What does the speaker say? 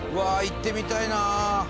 行ってみたいなあ